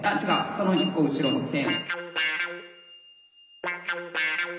その１個後ろの線。